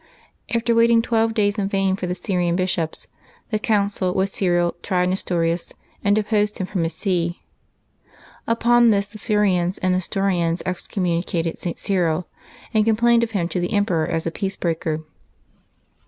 After waiting twelve days in vain for the S}T*ian bishops, the council with Cyril tried Nestorius, and deposed him from his see. Upon this the Syrians and Nestorians excommunicated St. Cyril, and complained of him to the emperor as a peace breaker.